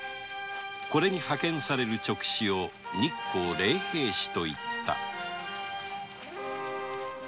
これに派遣される勅使を日光例幣使と言った